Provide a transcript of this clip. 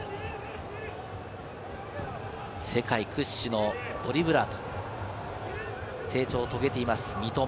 世界屈指のドリブラーへと成長を遂げています三笘。